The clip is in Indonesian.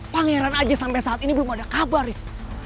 pangeran aja sampai saat ini belum ada kabar is